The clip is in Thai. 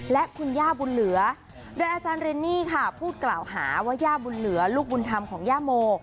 และคุณย่าบุญเหลือโดยอาจารย์เรนนี่ค่ะพูดกล่าวหาว่าย่าบุญเหลือลูกบุญธรรมของย่าโม